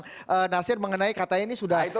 bang nasir mengenai katanya ini sudah